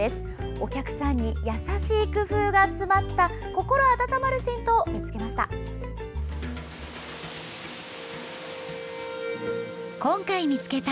お客さんにやさしい工夫が詰まった心温まる銭湯を見つけました。